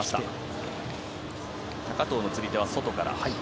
高藤の釣り手は外から。